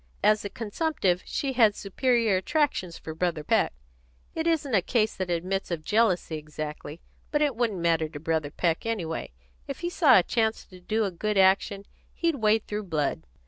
As a consumptive, she had superior attractions for Brother Peck. It isn't a case that admits of jealousy exactly, but it wouldn't matter to Brother Peck anyway. If he saw a chance to do a good action, he'd wade through blood."